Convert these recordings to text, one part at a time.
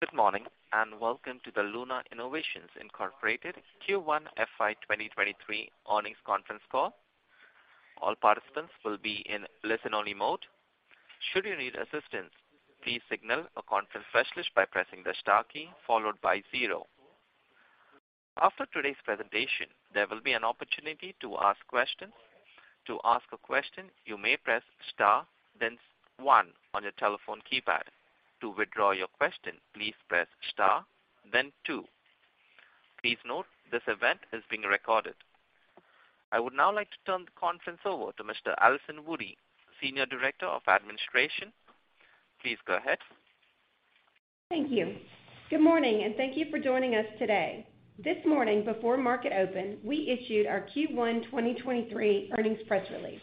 Good morning. Welcome to the Luna Innovations Incorporated Q1 FY 2023 Earnings Conference Call. All participants will be in listen-only mode. Should you need assistance, please signal a conference specialist by pressing the star key followed by zero. After today's presentation, there will be an opportunity to ask questions. To ask a question, you may press star then one on your telephone keypad. To withdraw your question, please press star then two. Please note this event is being recorded. I would now like to turn the conference over to Mr. Allison Woody, Senior Director of Administration. Please go ahead. Thank you. Good morning, and thank you for joining us today. This morning before market open, we issued our Q1 2023 earnings press release.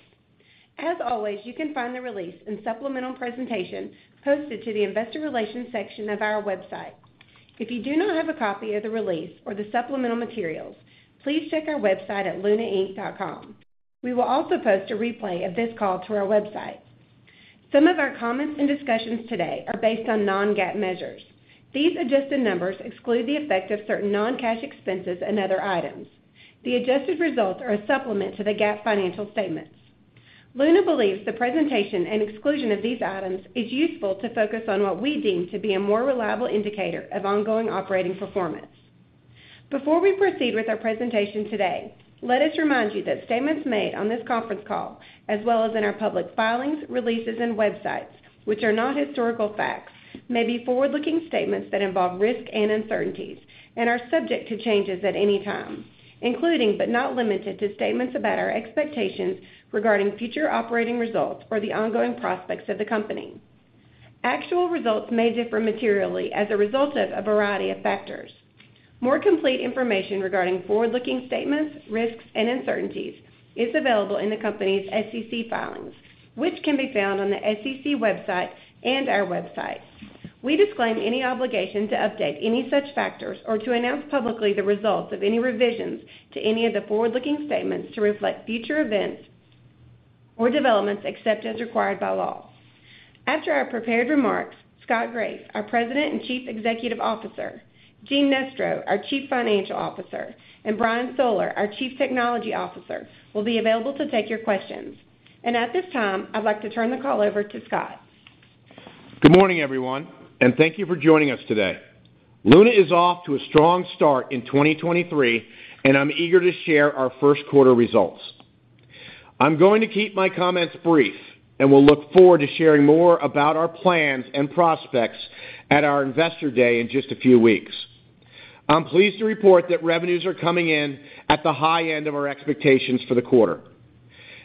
As always, you can find the release and supplemental presentations posted to the Investor Relations section of our website. If you do not have a copy of the release or the supplemental materials, please check our website at lunainc.com. We will also post a replay of this call to our website. Some of our comments and discussions today are based on non-GAAP measures. These adjusted numbers exclude the effect of certain non-cash expenses and other items. The adjusted results are a supplement to the GAAP financial statements. Luna believes the presentation and exclusion of these items is useful to focus on what we deem to be a more reliable indicator of ongoing operating performance. Before we proceed with our presentation today, let us remind you that statements made on this conference call, as well as in our public filings, releases and websites, which are not historical facts, may be forward-looking statements that involve risks and uncertainties and are subject to changes at any time including, but not limited to, statements about our expectations regarding future operating results or the ongoing prospects of the company. Actual results may differ materially as a result of a variety of factors. More complete information regarding forward-looking statements, risks and uncertainties is available in the company's SEC filings, which can be found on the SEC website and our website. We disclaim any obligation to update any such factors or to announce publicly the results of any revisions to any of the forward-looking statements to reflect future events or developments, except as required by law. After our prepared remarks, Scott Graeff, our President and Chief Executive Officer, Gene Nestro, our Chief Financial Officer, and Brian Soller, our Chief Technology Officer, will be available to take your questions. At this time, I'd like to turn the call over to Scott. Good morning, everyone, and thank you for joining us today. Luna is off to a strong start in 2023, and I'm eager to share our first quarter results. I'm going to keep my comments brief, and will look forward to sharing more about our plans and prospects at our Investor Day in just a few weeks. I'm pleased to report that revenues are coming in at the high end of our expectations for the quarter.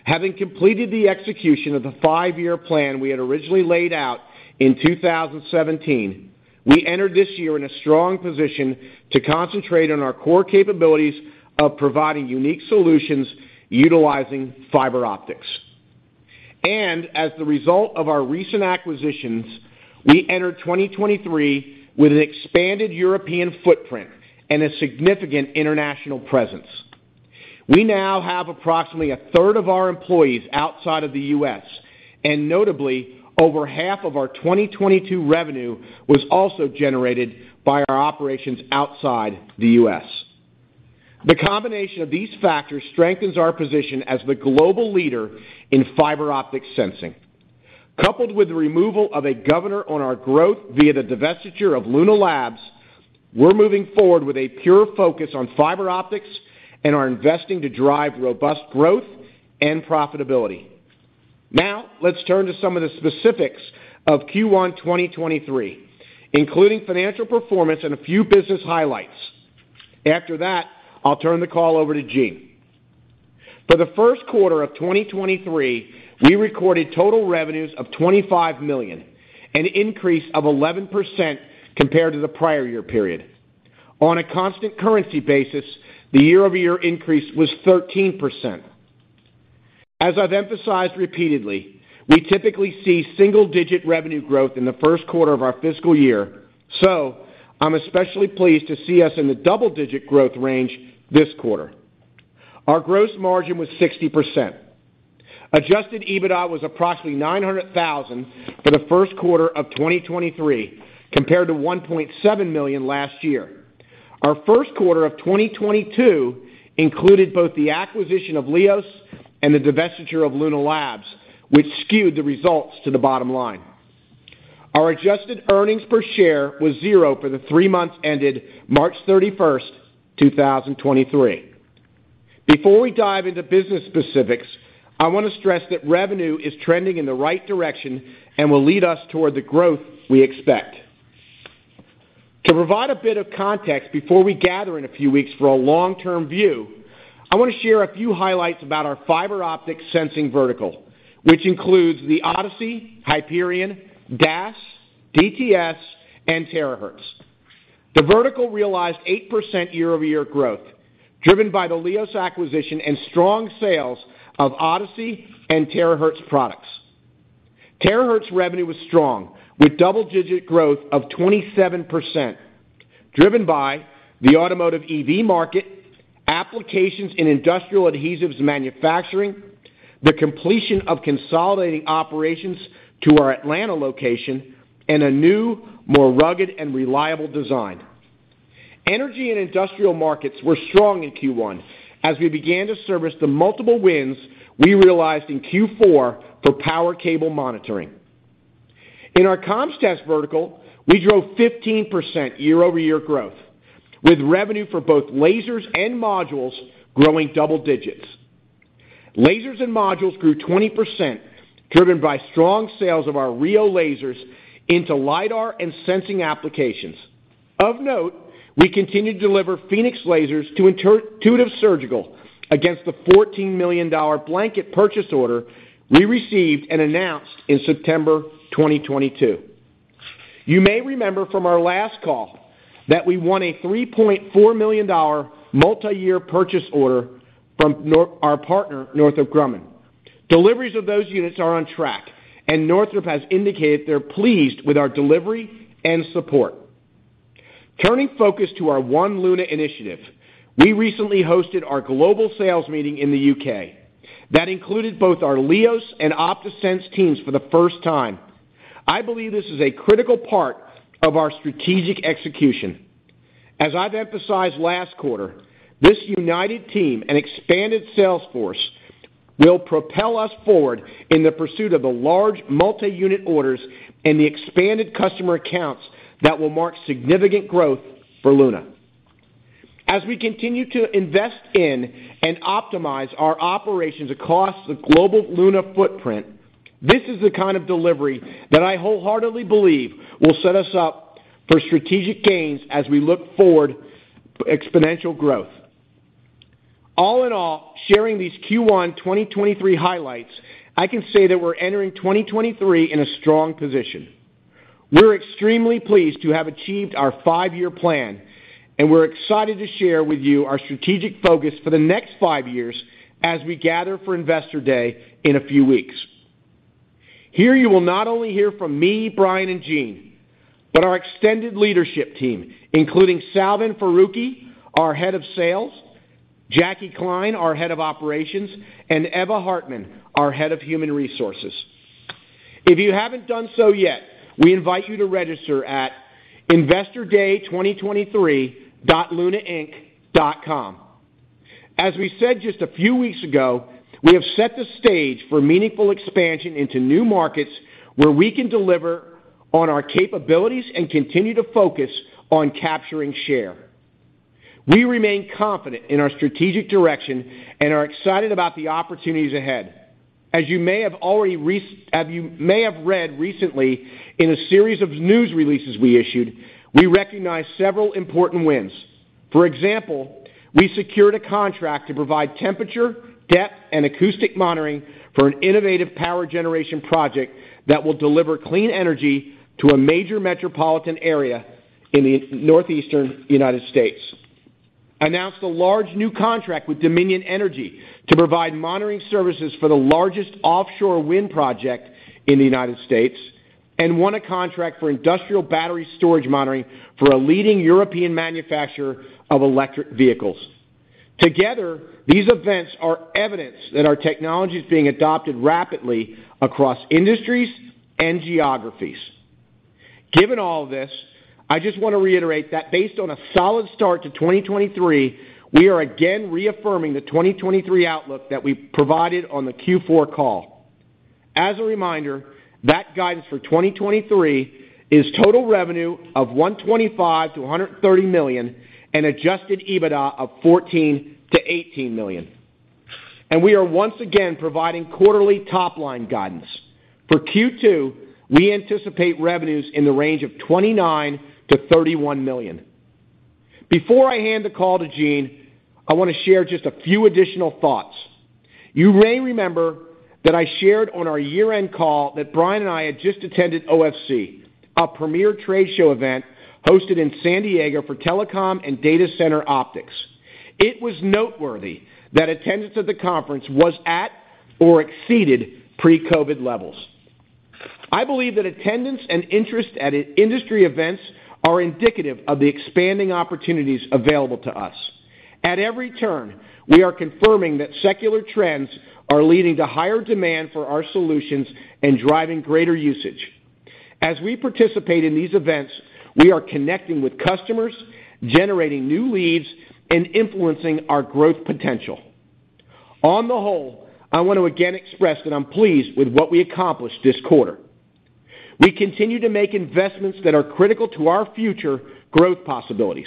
Having completed the execution of the five-year plan we had originally laid out in 2017, we entered this year in a strong position to concentrate on our core capabilities of providing unique solutions utilizing fiber optics. As the result of our recent acquisitions, we enter 2023 with an expanded European footprint and a significant international presence. We now have approximately a third of our employees outside of the U.S. Notably, over half of our 2022 revenue was also generated by our operations outside the U.S. The combination of these factors strengthens our position as the global leader in fiber optic sensing. Coupled with the removal of a governor on our growth via the divestiture of Luna Labs, we're moving forward with a pure focus on fiber optics and are investing to drive robust growth and profitability. Let's turn to some of the specifics of Q1 2023, including financial performance and a few business highlights. After that, I'll turn the call over to Gene. For the first quarter of 2023, we recorded total revenues of $25 million, an increase of 11% compared to the prior year period. On a constant currency basis, the year-over-year increase was 13%. As I've emphasized repeatedly, we typically see single-digit revenue growth in the first quarter of our fiscal year. I'm especially pleased to see us in the double-digit growth range this quarter. Our gross margin was 60%. Adjusted EBITDA was approximately $900,000 for the first quarter of 2023, compared to $1.7 million last year. Our first quarter of 2022 included both the acquisition of LIOS and the divestiture of Luna Labs, which skewed the results to the bottom line. Our adjusted earnings per share was $0 for the three months ended March 31st, 2023. Before we dive into business specifics, I want to stress that revenue is trending in the right direction and will lead us toward the growth we expect. To provide a bit of context before we gather in a few weeks for a long-term view, I want to share a few highlights about our fiber optic sensing vertical, which includes the ODiSI, HYPERION, DAS, DTS and Terahertz. The vertical realized 8% year-over-year growth, driven by the LIOS acquisition and strong sales of ODiSI and Terahertz products. Terahertz revenue was strong, with double-digit growth of 27%, driven by the automotive EV market applications in industrial adhesives manufacturing, the completion of consolidating operations to our Atlanta location, and a new, more rugged and reliable design. Energy and industrial markets were strong in Q1 as we began to service the multiple wins we realized in Q4 for power cable monitoring. In our comms test vertical, we drove 15% year-over-year growth, with revenue for both lasers and modules growing double digits. Lasers and modules grew 20%, driven by strong sales of our RIO lasers into LiDAR and sensing applications. Of note, we continue to deliver PHOENIX lasers to Intuitive Surgical against the $14 million blanket purchase order we received and announced in September 2022. You may remember from our last call that we won a $3.4 million multi-year purchase order from our partner, Northrop Grumman. Deliveries of those units are on track, and Northrop has indicated they're pleased with our delivery and support. Turning focus to our One Luna initiative, we recently hosted our global sales meeting in the U.K. That included both our LIOS and OptaSense teams for the first time. I believe this is a critical part of our strategic execution. As I've emphasized last quarter, this united team and expanded sales force will propel us forward in the pursuit of the large multi-unit orders and the expanded customer accounts that will mark significant growth for Luna. As we continue to invest in and optimize our operations across the global Luna footprint, this is the kind of delivery that I wholeheartedly believe will set us up for strategic gains as we look forward exponential growth. All in all, sharing these Q1 2023 highlights, I can say that we're entering 2023 in a strong position. We're extremely pleased to have achieved our five-year plan, and we're excited to share with you our strategic focus for the next five years as we gather for Investor Day in a few weeks. Here you will not only hear from me, Brian, and Gene, but our extended leadership team, including Salvan Farooqui, our Head of Sales, Jackie Kline, our Head of Operations, and Eva Hartmann, our Head of Human Resources. If you haven't done so yet, we invite you to register at investorday2023.lunainc.com. We said just a few weeks ago, we have set the stage for meaningful expansion into new markets where we can deliver on our capabilities and continue to focus on capturing share. We remain confident in our strategic direction and are excited about the opportunities ahead. You may have read recently in a series of news releases we issued, we recognize several important wins. For example, we secured a contract to provide temperature, depth, and acoustic monitoring for an innovative power generation project that will deliver clean energy to a major metropolitan area in the Northeastern United States. Announced a large new contract with Dominion Energy to provide monitoring services for the largest offshore wind project in the United States, and won a contract for industrial battery storage monitoring for a leading European manufacturer of electric vehicles. Together, these events are evidence that our technology is being adopted rapidly across industries and geographies. Given all this, I just want to reiterate that based on a solid start to 2023, we are again reaffirming the 2023 outlook that we provided on the Q4 call. As a reminder, that guidance for 2023 is total revenue of $125 million-$130 million and Adjusted EBITDA of $14 million-$18 million. We are once again providing quarterly top-line guidance. For Q2, we anticipate revenues in the range of $29 million-$31 million. Before I hand the call to Gene, I wanna share just a few additional thoughts. You may remember that I shared on our year-end call that Brian and I had just attended OFC, a premier trade show event hosted in San Diego for telecom and data center optics. It was noteworthy that attendance at the conference was at or exceeded pre-COVID levels. I believe that attendance and interest at industry events are indicative of the expanding opportunities available to us. At every turn, we are confirming that secular trends are leading to higher demand for our solutions and driving greater usage. As we participate in these events, we are connecting with customers, generating new leads, and influencing our growth potential. On the whole, I want to again express that I'm pleased with what we accomplished this quarter. We continue to make investments that are critical to our future growth possibilities.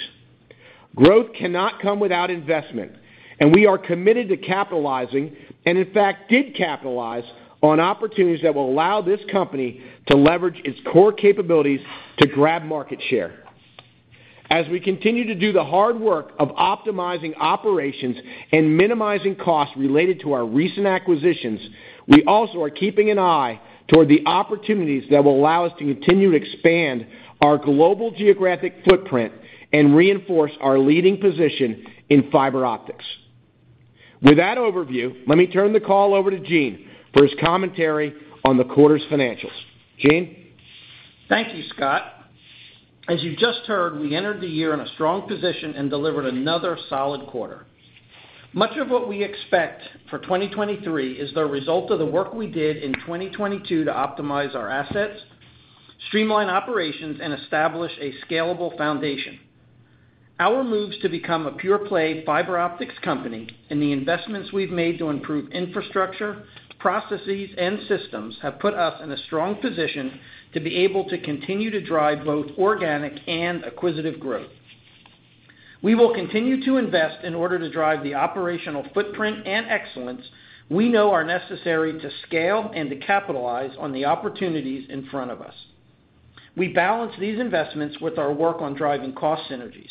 Growth cannot come without investment, and we are committed to capitalizing, and in fact, did capitalize on opportunities that will allow this company to leverage its core capabilities to grab market share. As we continue to do the hard work of optimizing operations and minimizing costs related to our recent acquisitions, we also are keeping an eye toward the opportunities that will allow us to continue to expand our global geographic footprint and reinforce our leading position in fiber optics. With that overview, let me turn the call over to Gene for his commentary on the quarter's financials. Gene? Thank you, Scott. As you just heard, we entered the year in a strong position and delivered another solid quarter. Much of what we expect for 2023 is the result of the work we did in 2022 to optimize our assets, streamline operations, and establish a scalable foundation. Our moves to become a pure play fiber optics company and the investments we've made to improve infrastructure, processes, and systems have put us in a strong position to be able to continue to drive both organic and acquisitive growth. We will continue to invest in order to drive the operational footprint and excellence we know are necessary to scale and to capitalize on the opportunities in front of us. We balance these investments with our work on driving cost synergies.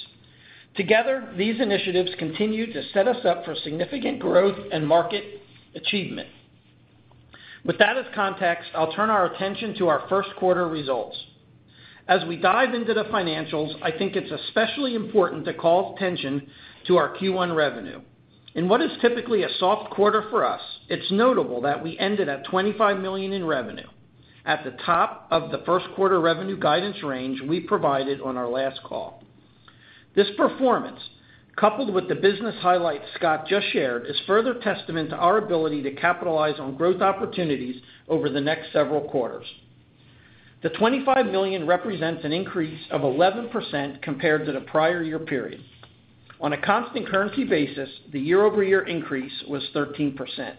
Together, these initiatives continue to set us up for significant growth and market achievement. With that as context, I'll turn our attention to our first quarter results. As we dive into the financials, I think it's especially important to call attention to our Q1 revenue. In what is typically a soft quarter for us, it's notable that we ended at $25 million in revenue at the top of the first quarter revenue guidance range we provided on our last call. This performance, coupled with the business highlights Scott just shared, is further testament to our ability to capitalize on growth opportunities over the next several quarters. The $25 million represents an increase of 11% compared to the prior year period. On a constant currency basis, the year-over-year increase was 13%.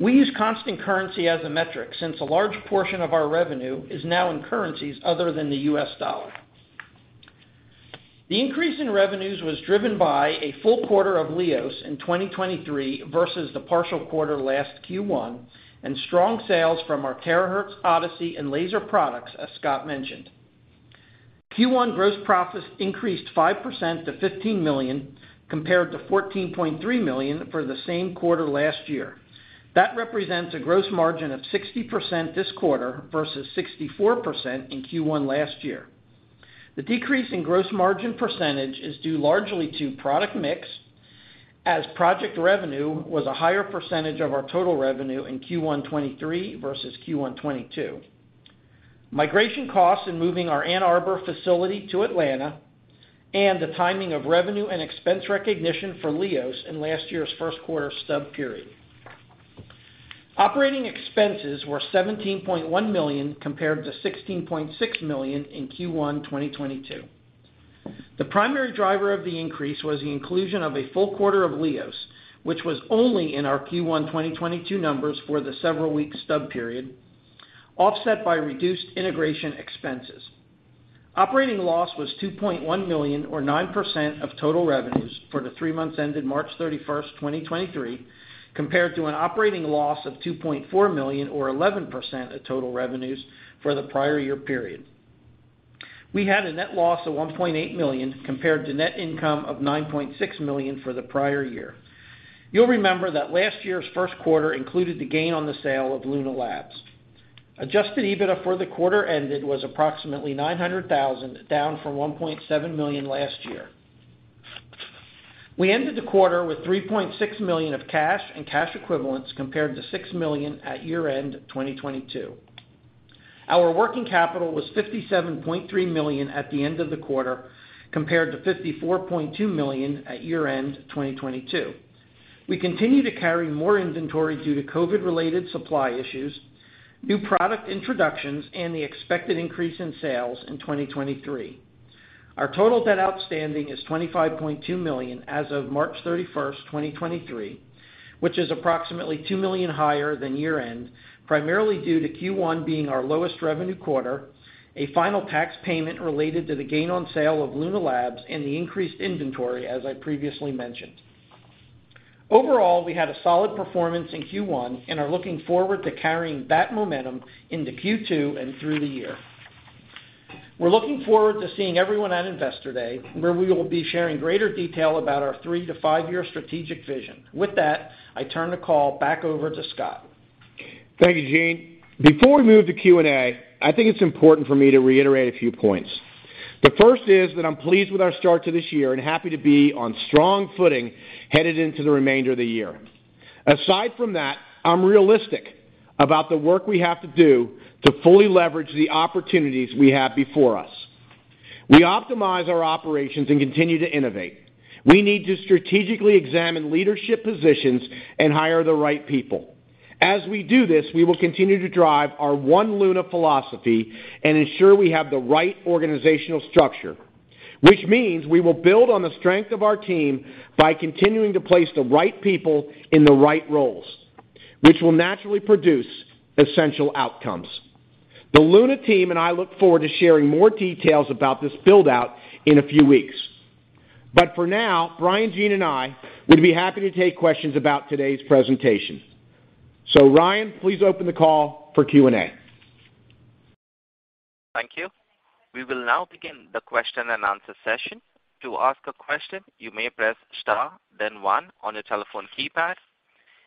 We use constant currency as a metric since a large portion of our revenue is now in currencies other than the U.S. dollar. The increase in revenues was driven by a full quarter of LIOS in 2023 versus the partial quarter last Q1, and strong sales from our Terahertz, ODiSI, and laser products, as Scott mentioned. Q1 gross profits increased 5% to $15 million, compared to $14.3 million for the same quarter last year. That represents a gross margin of 60% this quarter versus 64% in Q1 last year. The decrease in gross margin percentage is due largely to product mix, as project revenue was a higher percentage of our total revenue in Q1 2023 versus Q1 2022, migration costs in moving our Ann Arbor facility to Atlanta, and the timing of revenue and expense recognition for LIOS in last year's first quarter stub period. Operating expenses were $17.1 million compared to $16.6 million in Q1 2022. The primary driver of the increase was the inclusion of a full quarter of LIOS, which was only in our Q1 2022 numbers for the several week stub period, offset by reduced integration expenses. Operating loss was $2.1 million or 9% of total revenues for the three months ended March 31st, 2023, compared to an operating loss of $2.4 million or 11% of total revenues for the prior year period. We had a net loss of $1.8 million compared to net income of $9.6 million for the prior year. You'll remember that last year's first quarter included the gain on the sale of Luna Labs. Adjusted EBITDA for the quarter ended was approximately $900,000, down from $1.7 million last year. We ended the quarter with $3.6 million of cash and cash equivalents compared to $6 million at year-end 2022. Our working capital was $57.3 million at the end of the quarter compared to $54.2 million at year-end 2022. We continue to carry more inventory due to COVID-related supply issues, new product introductions, and the expected increase in sales in 2023. Our total debt outstanding is $25.2 million as of March 31st, 2023, which is approximately $2 million higher than year-end, primarily due to Q1 being our lowest revenue quarter, a final tax payment related to the gain on sale of Luna Labs, and the increased inventory, as I previously mentioned. Overall, we had a solid performance in Q1 and are looking forward to carrying that momentum into Q2 and through the year. We're looking forward to seeing everyone at Investor Day, where we will be sharing greater detail about our three-to-five-year strategic vision. With that, I turn the call back over to Scott. Thank you, Gene. Before we move to Q&A, I think it's important for me to reiterate a few points. The first is that I'm pleased with our start to this year and happy to be on strong footing headed into the remainder of the year. Aside from that, I'm realistic about the work we have to do to fully leverage the opportunities we have before us. We optimize our operations and continue to innovate. We need to strategically examine leadership positions and hire the right people. As we do this, we will continue to drive our One Luna philosophy and ensure we have the right organizational structure, which means we will build on the strength of our team by continuing to place the right people in the right roles, which will naturally produce essential outcomes. The Luna team and I look forward to sharing more details about this build-out in a few weeks. For now, Brian, Gene, and I would be happy to take questions about today's presentation. Ryan, please open the call for Q&A. Thank you. We will now begin the question-and-answer session. To ask a question, you may press star then one on your telephone keypad.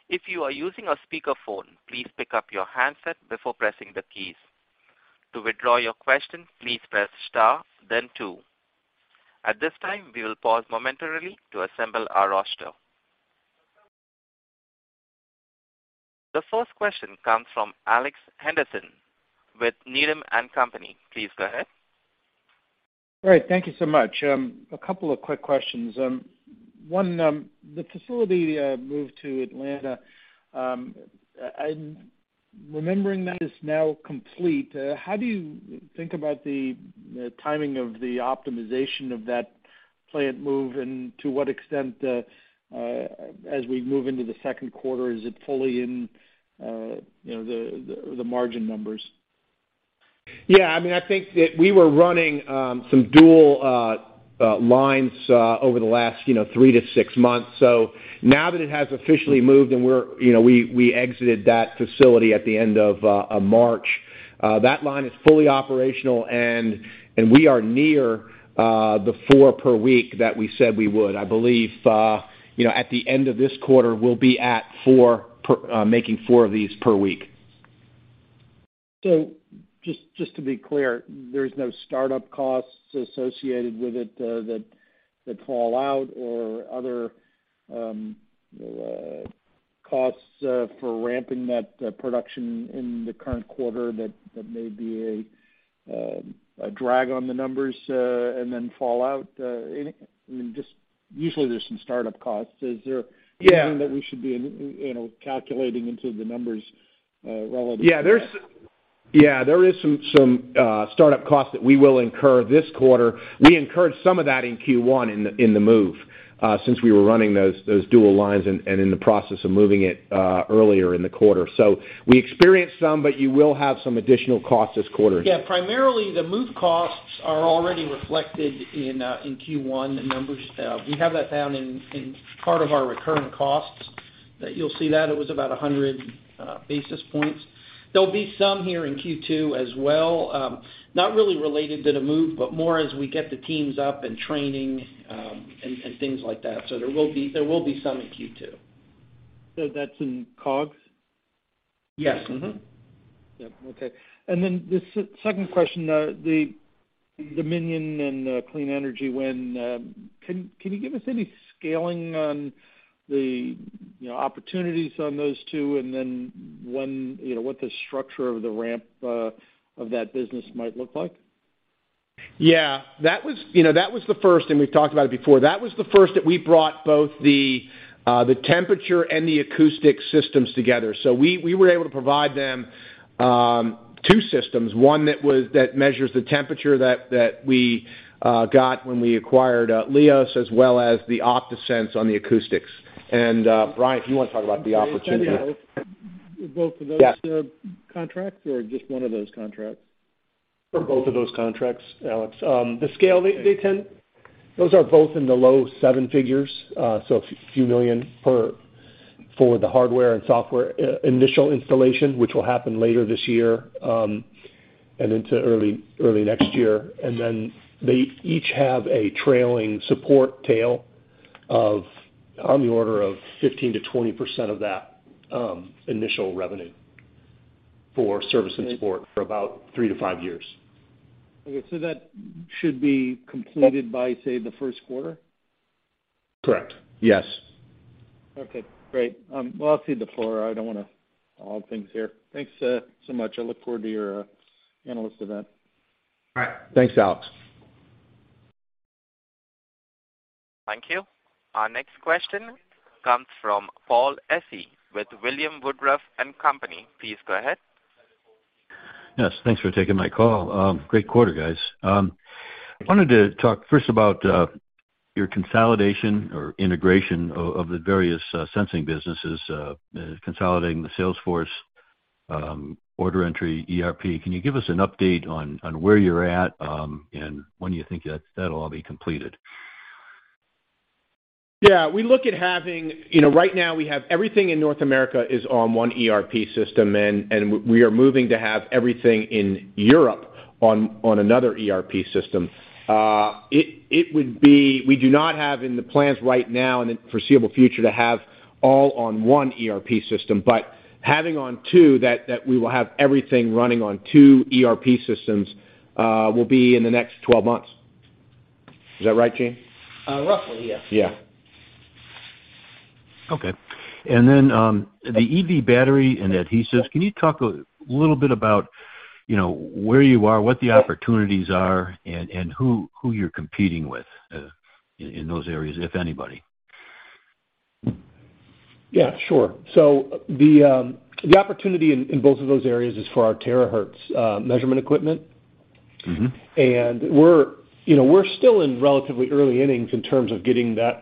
If you are using a speakerphone, please pick up your handset before pressing the keys. To withdraw your question, please press star then two. At this time, we will pause momentarily to assemble our roster. The first question comes from Alex Henderson with Needham & Company. Please go ahead. All right. Thank you so much. A couple of quick questions. One, the facility move to Atlanta, I'm remembering that is now complete. How do you think about the timing of the optimization of that plant move? To what extent, as we move into the second quarter, is it fully in, you know, the margin numbers? Yeah, I mean, I think that we were running, some dual lines, over the last, you know, three to six months. Now that it has officially moved, and you know, we exited that facility at the end of March, that line is fully operational, and we are near the four per week that we said we would. I believe, you know, at the end of this quarter, we'll be making four of these per week. Just to be clear, there's no start-up costs associated with it, that fall out or other costs, for ramping that production in the current quarter that may be a drag on the numbers. Then fall out? I mean, usually there's some start-up costs. Yeah. anything that we should be, you know, calculating into the numbers, relative to that? Yeah, there is some start-up costs that we will incur this quarter. We incurred some of that in Q1 in the move, since we were running those dual lines and in the process of moving it earlier in the quarter. We experienced some, but you will have some additional costs this quarter. Primarily the move costs are already reflected in Q1 numbers. We have that down in part of our recurring costs that you'll see that it was about 100 basis points. There'll be some here in Q2 as well, not really related to the move, but more as we get the teams up and training, and things like that. There will be some in Q2. That's in COGS? Yes. Mm-hmm. Yeah. Okay. The second question, the Dominion and Clean Energy Win, can you give us any scaling on the, you know, opportunities on those two and then when, you know, what the structure of the ramp of that business might look like? Yeah. That was, you know, that was the first, and we've talked about it before. That was the first that we brought both the temperature and the acoustic systems together. We were able to provide them two systems, one that measures the temperature that we got when we acquired LIOS, as well as the OptaSense on the acoustics. Brian, do you want to talk about the opportunity? Are they sending both of those? Yes. contracts or just one of those contracts? For both of those contracts, Alex. Those are both in the low seven figures, so a few million per for the hardware and software initial installation, which will happen later this year, and into early next year. And then they each have a trailing support tail of on the order of 15%-20% of that initial revenue for service and support for about three-five years. Okay, that should be completed by, say, the first quarter? Correct. Yes. Okay, great. well, I'll cede the floor. I don't wanna hog things here. Thanks, so much. I look forward to your analyst event. All right. Thanks, Alex. Thank you. Our next question comes from Paul Essi with William Woodruff & Company. Please go ahead. Yes, thanks for taking my call. Great quarter, guys. I wanted to talk first about your consolidation or integration of the various sensing businesses, consolidating the sales force, order entry, ERP. Can you give us an update on where you're at, and when you think that'll all be completed? Yeah. We look at having. You know, right now we have everything in North America is on one ERP system, and we are moving to have everything in Europe on another ERP system. It would be. We do not have in the plans right now in the foreseeable future to have all on one ERP system, but having on two, that we will have everything running on two ERP systems, will be in the next 12 months. Is that right, Gene? Roughly, yes. Yeah. Okay. The EV battery and adhesives, can you talk a little bit about, you know, where you are, what the opportunities are and who you're competing with, in those areas, if anybody? Yeah, sure. The opportunity in both of those areas is for our Terahertz measurement equipment. Mm-hmm. We're, you know, we're still in relatively early innings in terms of getting that,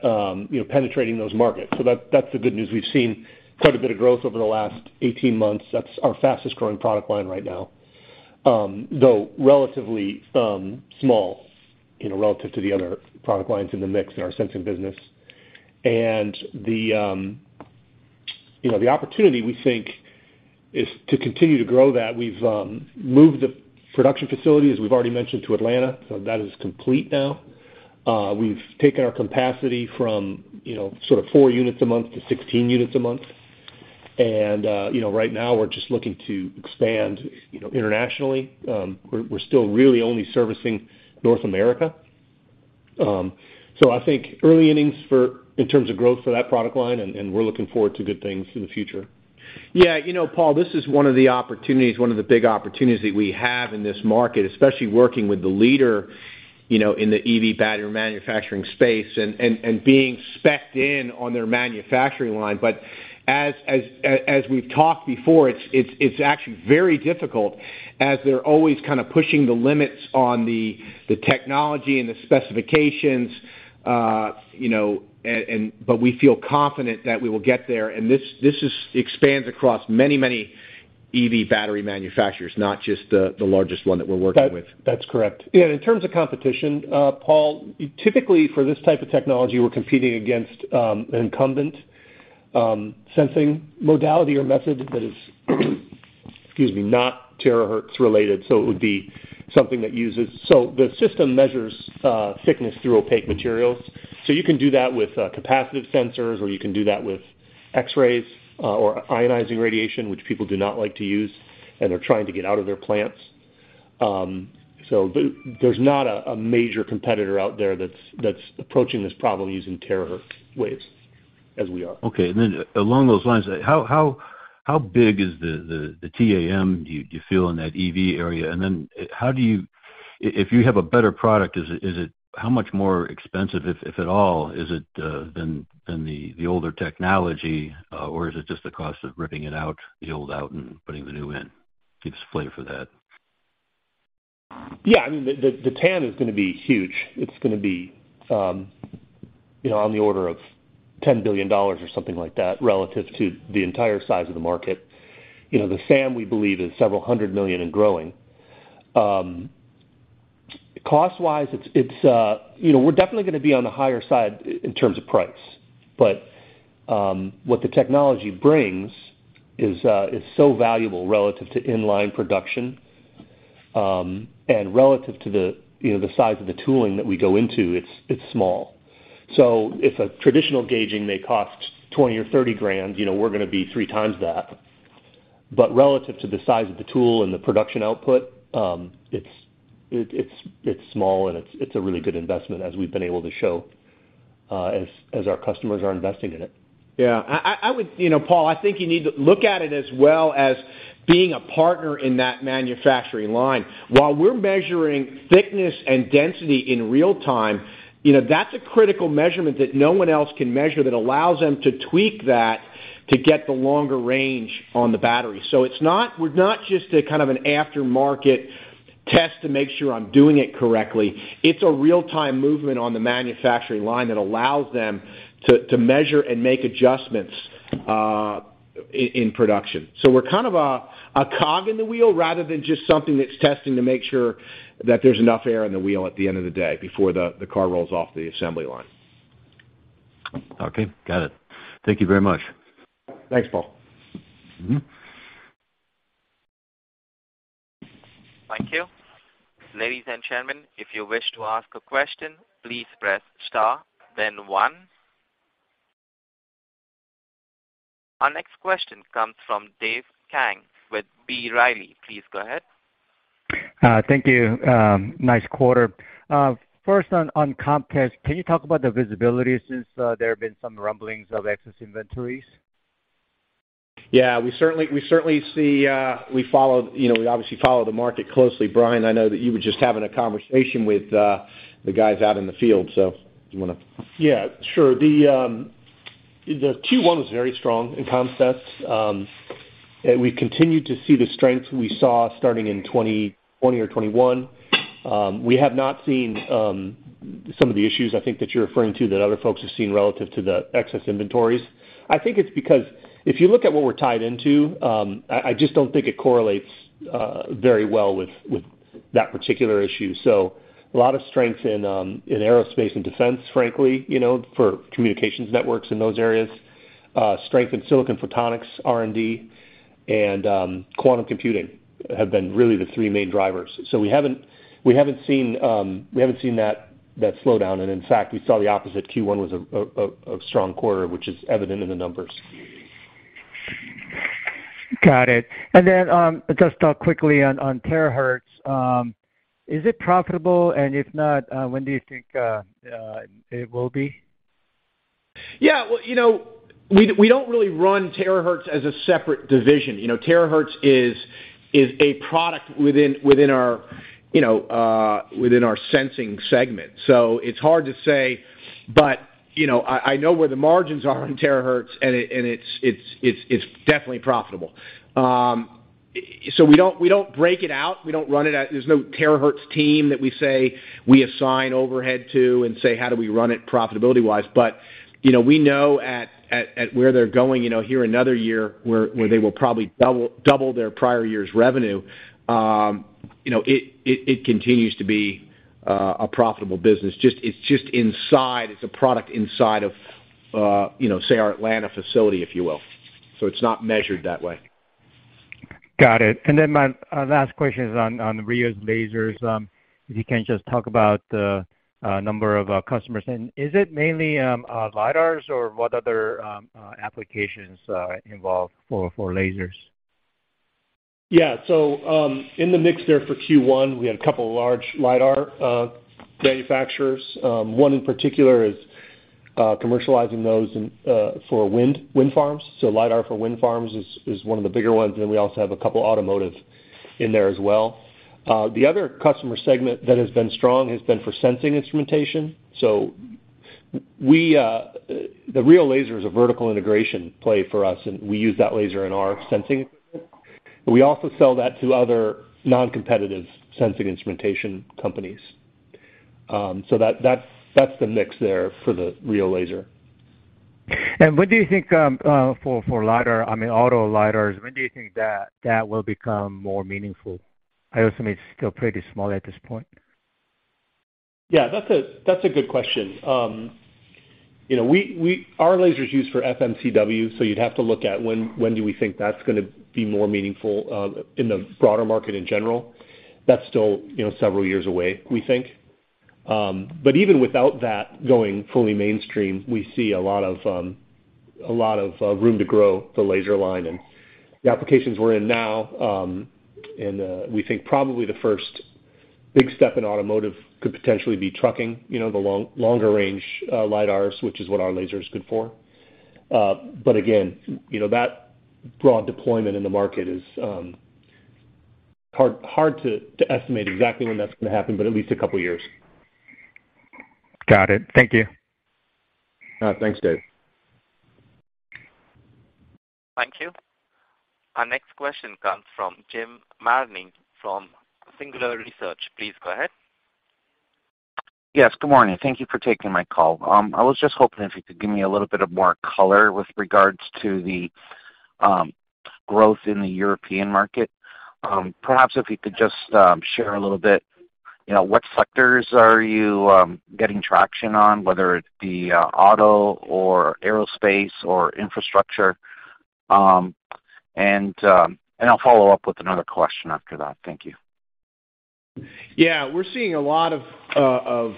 you know, penetrating those markets. That, that's the good news. We've seen quite a bit of growth over the last 18 months. That's our fastest-growing product line right now. Though relatively small, you know, relative to the other product lines in the mix in our sensing business. The, you know, the opportunity, we think, is to continue to grow that. We've moved the production facility, as we've already mentioned, to Atlanta, so that is complete now. We've taken our capacity from, you know, sort of four units a month to 16 units a month. You know, right now we're just looking to expand, you know, internationally. We're, we're still really only servicing North America. I think early innings for... in terms of growth for that product line, and we're looking forward to good things in the future. Yeah. You know, Paul, this is one of the opportunities, one of the big opportunities that we have in this market, especially working with the leader, you know, in the EV battery manufacturing space and being specced in on their manufacturing line. As we've talked before, it's actually very difficult as they're always kind of pushing the limits on the technology and the specifications, you know. We feel confident that we will get there. This expands across many, many EV battery manufacturers, not just the largest one that we're working with. That's correct. Yeah, in terms of competition, Paul, typically for this type of technology, we're competing against incumbent sensing modality or method that is, excuse me, not Terahertz related, so it would be something that uses. The system measures thickness through opaque materials. You can do that with capacitive sensors, or you can do that with X-rays, or ionizing radiation, which people do not like to use, and they're trying to get out of their plants. There's not a major competitor out there that's approaching this problem using terahertz waves as we are. Okay. Along those lines, how big is the TAM, do you feel in that EV area? If you have a better product, is it how much more expensive, if at all, is it than the older technology? Or is it just the cost of ripping it out, the old out and putting the new in? Give us a flavor for that. I mean, the TAM is gonna be huge. It's gonna be, you know, on the order of $10 billion or something like that relative to the entire size of the market. You know, the SAM we believe is several hundred million and growing. Cost-wise, it's, you know, we're definitely gonna be on the higher side in terms of price. What the technology brings is so valuable relative to inline production. Relative to the, you know, the size of the tooling that we go into, it's small. If a traditional gauging may cost $20 or $30 grand, you know, we're gonna be three times that. Relative to the size of the tool and the production output, it's small, and it's a really good investment, as we've been able to show, as our customers are investing in it. Yeah. I would, you know, Paul, I think you need to look at it as well as being a partner in that manufacturing line. While we're measuring thickness and density in real time, you know, that's a critical measurement that no one else can measure that allows them to tweak that to get the longer range on the battery. We're not just a kind of an aftermarket test to make sure I'm doing it correctly. It's a real-time movement on the manufacturing line that allows them to measure and make adjustments in production. We're kind of a cog in the wheel rather than just something that's testing to make sure that there's enough air in the wheel at the end of the day before the car rolls off the assembly line. Okay. Got it. Thank you very much. Thanks, Paul. Mm-hmm. Thank you. Ladies and gentlemen, if you wish to ask a question, please press star then one. Our next question comes from Dave Kang with B. Riley. Please go ahead. Thank you. Nice quarter. First on Comms Test, can you talk about the visibility since there have been some rumblings of excess inventories? Yeah. We certainly see. You know, we obviously follow the market closely. Brian, I know that you were just having a conversation with the guys out in the field, do you wanna? Yeah, sure. The Q1 was very strong in Comms Test. We continue to see the strength we saw starting in 2020 or 2021. We have not seen some of the issues I think that you're referring to that other folks have seen relative to the excess inventories. I think it's because if you look at what we're tied into, I just don't think it correlates very well with that particular issue. A lot of strength in aerospace and defense, frankly, you know, for communications networks in those areas. Strength in silicon photonics, R&D, and quantum computing have been really the three main drivers. We haven't seen that slowdown, and in fact, we saw the opposite. Q1 was a strong quarter, which is evident in the numbers. Got it. Just quickly on Terahertz, is it profitable? And if not, when do you think it will be? Yeah. Well, you know, we don't really run Terahertz as a separate division. You know, Terahertz is a product within our, you know, within our sensing segment. It's hard to say. You know, I know where the margins are in Terahertz, and it's definitely profitable. We don't break it out. We don't run it out. There's no Terahertz team that we say we assign overhead to and say, how do we run it profitability-wise? You know, we know at where they're going, you know, here another year where they will probably double their prior year's revenue. You know, it continues to be a profitable business. Just it's just inside. It's a product inside of, you know, say, our Atlanta facility, if you will. It's not measured that way. Got it. My last question is on RIO's lasers. If you can just talk about the number of customers. Is it mainly LiDARs or what other applications involved for lasers? Yeah. In the mix there for Q1, we had a couple large LiDAR manufacturers. One in particular is commercializing those in for wind farms. LiDAR for wind farms is one of the bigger ones, and we also have a couple automotive in there as well. The other customer segment that has been strong has been for sensing instrumentation. we the real laser is a vertical integration play for us, and we use that laser in our sensing. We also sell that to other non-competitive sensing instrumentation companies. that's the mix there for the real laser. When do you think, for LiDAR, I mean, auto LiDARs, when do you think that will become more meaningful? I assume it's still pretty small at this point. Yeah, that's a good question. You know, our laser is used for FMCW, so you'd have to look at when do we think that's gonna be more meaningful in the broader market in general. That's still, you know, several years away, we think. Even without that going fully mainstream, we see a lot of room to grow the laser line and the applications we're in now, and we think probably the first big step in automotive could potentially be trucking, you know, the long-range LiDARs, which is what our laser is good for. Again, you know, that broad deployment in the market is hard to estimate exactly when that's gonna happen, but at least a couple years. Got it. Thank you. Thanks, Dave. Thank you. Our next question comes from Jim Marrone from Singular Research. Please go ahead. Yes, good morning. Thank you for taking my call. I was just hoping if you could give me a little bit of more color with regards to the growth in the European market. Perhaps if you could just share a little bit, you know, what sectors are you getting traction on, whether it be auto or aerospace or infrastructure. I'll follow up with another question after that. Thank you. We're seeing a lot of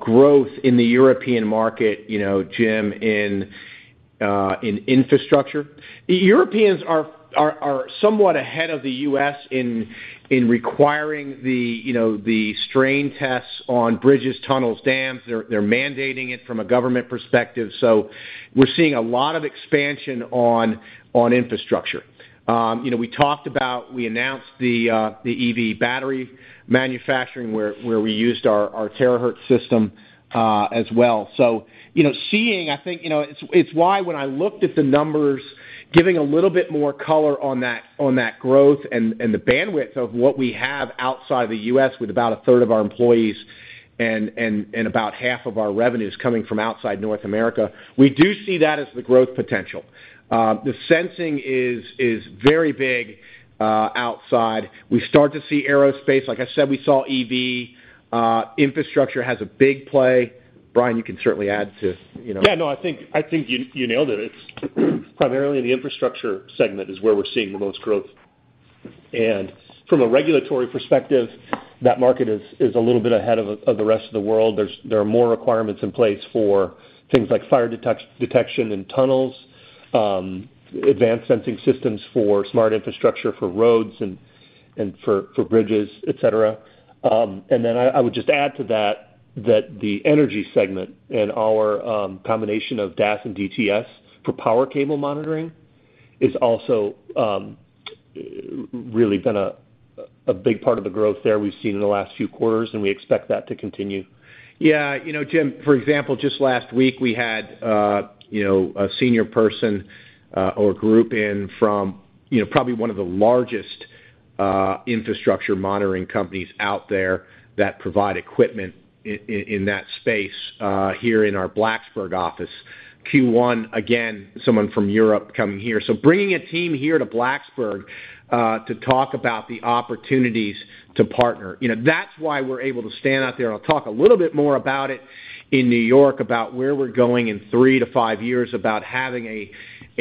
growth in the European market, you know, Jim, in infrastructure. Europeans are somewhat ahead of the U.S. in requiring the, you know, the strain tests on bridges, tunnels, dams. They're mandating it from a government perspective, so we're seeing a lot of expansion on infrastructure. You know, we talked about... we announced the EV battery manufacturing where we used our Terahertz system as well. You know, seeing, I think, you know, it's why when I looked at the numbers, giving a little bit more color on that growth and the bandwidth of what we have outside the U.S. with about a third of our employees and about half of our revenues coming from outside North America. We do see that as the growth potential. The sensing is very big outside. We start to see aerospace. Like I said, we saw EV. Infrastructure has a big play. Brian, you can certainly add to, you know. Yeah, no, I think you nailed it. It's primarily in the infrastructure segment is where we're seeing the most growth. From a regulatory perspective, that market is a little bit ahead of the rest of the world. There are more requirements in place for things like fire detection in tunnels, advanced sensing systems for smart infrastructure for roads and for bridges, et cetera. I would just add to that the energy segment and our combination of DAS and DTS for power cable monitoring is also really been a big part of the growth there we've seen in the last few quarters, and we expect that to continue. Yeah. You know, Jim, for example, just last week, we had, you know, a senior person or group in from, you know, probably one of the largest infrastructure monitoring companies out there that provide equipment in that space, here in our Blacksburg office. Q1, again, someone from Europe coming here. Bringing a team here to Blacksburg to talk about the opportunities to partner. You know, that's why we're able to stand out there. I'll talk a little bit more about it in New York about where we're going in three to five years about having a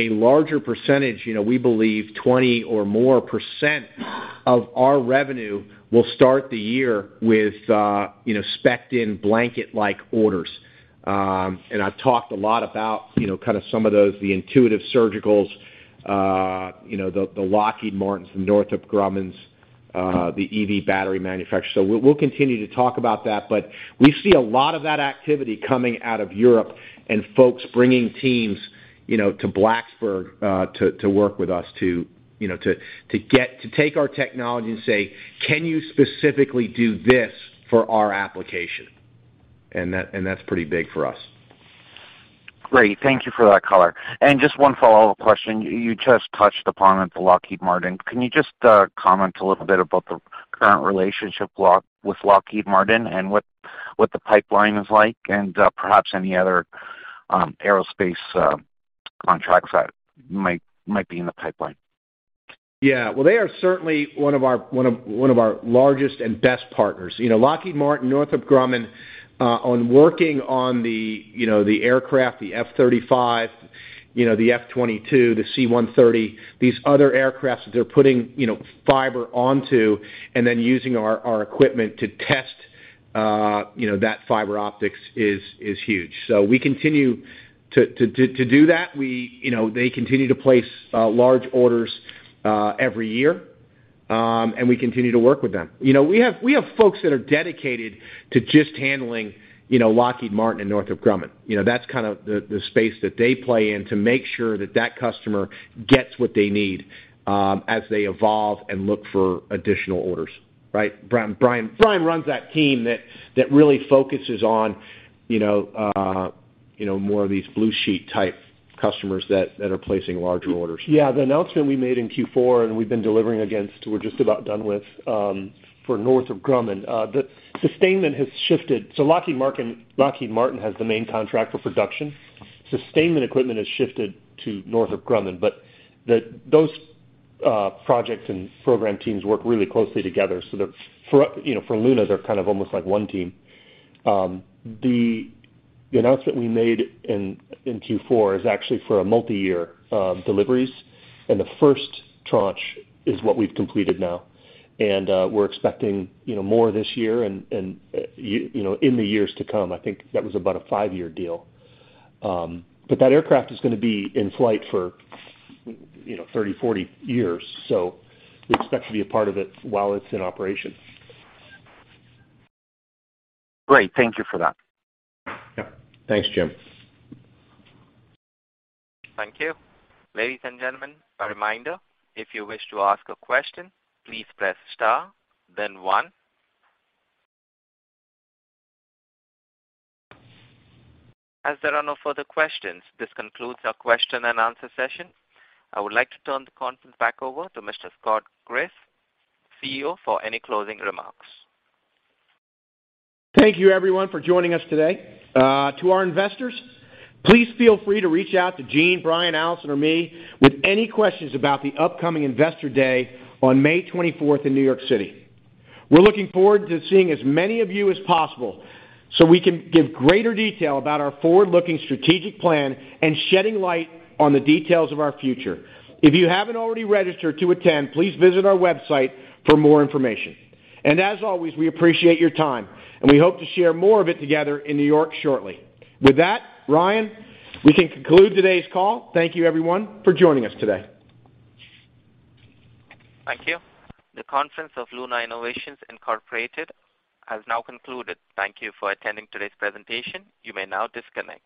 larger percentage, you know, we believe 20 or more percent of our revenue will start the year with, you know, specced in blanket-like orders. I've talked a lot about, you know, kind of some of those, the Intuitive Surgical, you know, the Lockheed Martin, the Northrop Grumman, the EV battery manufacturers. We'll, we'll continue to talk about that. We see a lot of that activity coming out of Europe and folks bringing teams, you know, to Blacksburg, to work with us to, you know, to take our technology and say, "Can you specifically do this for our application?" That, and that's pretty big for us. Great. Thank you for that color. Just one follow-up question. You just touched upon it, the Lockheed Martin. Can you just comment a little bit about the current relationship with Lockheed Martin and what the pipeline is like and perhaps any other aerospace contracts that might be in the pipeline? Well, they are certainly one of our largest and best partners. You know, Lockheed Martin, Northrop Grumman. On working on the, you know, the aircraft, the F-35, you know, the F-22, the C-130, these other aircraft that they're putting, you know, fiber onto and then using our equipment to test, you know, that fiber optics is huge. We continue to do that. You know, they continue to place large orders every year. We continue to work with them. You know, we have, we have folks that are dedicated to just handling, you know, Lockheed Martin and Northrop Grumman. You know, that's kind of the space that they play in to make sure that that customer gets what they need, as they evolve and look for additional orders, right? Brian runs that team that really focuses on, you know, you know, more of these blue sheet type customers that are placing larger orders. Yeah. The announcement we made in Q4 and we've been delivering against, we're just about done with for Northrop Grumman. The sustainment has shifted. Lockheed Martin, Lockheed Martin has the main contract for production. Sustainment equipment has shifted to Northrop Grumman, but those projects and program teams work really closely together. For, you know, for Luna, they're kind of almost like one team. The announcement we made in Q4 is actually for a multi-year deliveries, and the first tranche is what we've completed now. We're expecting, you know, more this year and, you know, in the years to come. I think that was about a five-year deal. But that aircraft is gonna be in flight for, you know, 30, 40 years. We expect to be a part of it while it's in operation. Great. Thank you for that. Yeah. Thanks, Jim. Thank you. Ladies and gentlemen, a reminder. If you wish to ask a question, please press star then one. As there are no further questions, this concludes our question-and-answer session. I would like to turn the conference back over to Mr. Scott Graeff, CEO, for any closing remarks. Thank you everyone for joining us today. To our investors, please feel free to reach out to Gene, Brian, Allison or me with any questions about the upcoming Investor Day on May 24th in New York City. We're looking forward to seeing as many of you as possible so we can give greater detail about our forward-looking strategic plan and shedding light on the details of our future. If you haven't already registered to attend, please visit our website for more information. As always, we appreciate your time, and we hope to share more of it together in New York shortly. With that, Ryan, we can conclude today's call. Thank you everyone for joining us today. Thank you. The conference of Luna Innovations Incorporated has now concluded. Thank you for attending today's presentation. You may now disconnect.